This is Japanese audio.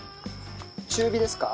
中火ですか？